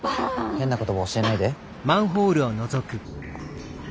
変な言葉教えないで。